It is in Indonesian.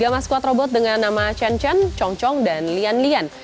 tiga maskuat robot dengan nama chen chen chong chong dan lian lian